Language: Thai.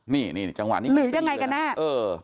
นี่จังหวะนี้หรือยังไงก็แน่